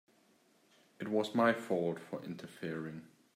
It was my fault for interfering.